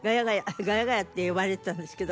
ガヤガヤって呼ばれてたんですけど。